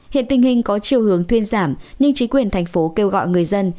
hiện tình hình có chiều hướng thuyên giảm nhưng chính quyền thành phố kêu gọi người dân